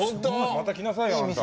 また来なさいよあんた。